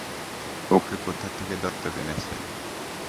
ওকে কোথা থেকে দত্তক এনেছেন?